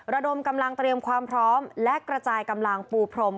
ระดมกำลังเตรียมความพร้อมและกระจายกำลังปูพรม